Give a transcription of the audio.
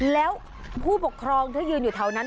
แล้วผู้ปกครองที่ยืนอยู่แถวนั้น